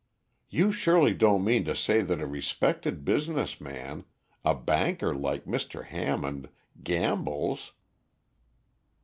"You surely don't mean to say that a respected business man a banker like Mr. Hammond gambles?"